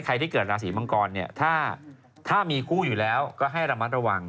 ที่เกิดราศีมังกรเนี่ยถ้ามีคู่อยู่แล้วก็ให้ระมัดระวัง